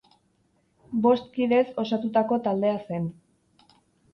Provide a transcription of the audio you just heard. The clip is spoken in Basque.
Bost kidez osatutako taldea zen.